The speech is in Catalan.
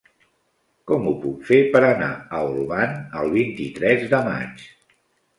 Com ho puc fer per anar a Olvan el vint-i-tres de maig?